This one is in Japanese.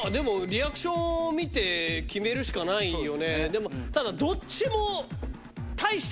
でもただどっちも。